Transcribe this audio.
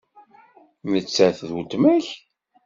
Nettat d weltma-k?